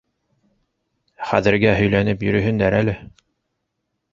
Хәҙергә һөйләнеп йөрөһөндәр әле.